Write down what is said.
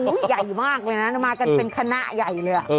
ใหญ่มากเลยนะมากันเป็นคณะใหญ่เลย